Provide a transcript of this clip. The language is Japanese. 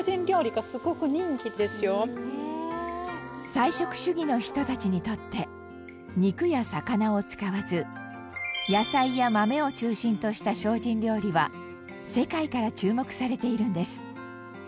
菜食主義の人たちにとって肉や魚を使わず野菜や豆を中心とした精進料理は世界から注目されているんです。